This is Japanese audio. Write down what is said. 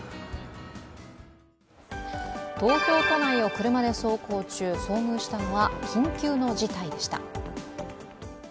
東京都内を車で走行中、遭遇したのは、緊急の事態でした。